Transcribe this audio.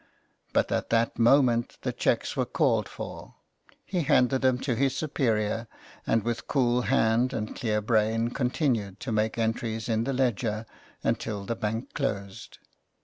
But at that moment the cheques were called for ; he handed them to his superior, and with cool hand and clear brain continued to make entries in the ledger until the bank closed.